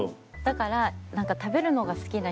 だから。